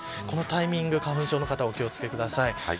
このタイミング花粉症の方お気を付けください。